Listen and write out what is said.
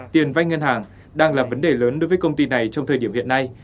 tiền vay ngân hàng đang là vấn đề lớn đối với công ty này trong thời điểm hiện nay